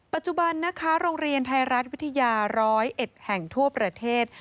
ปัจจุบันนะคะโรงเรียนไทยรัฐวิทยา๑๐๑แห่งทั่วประเทศ